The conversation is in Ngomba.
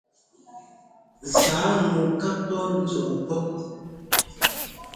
Sǎa ŋu ŋkaa pɔ́ zuʼu pɔ́.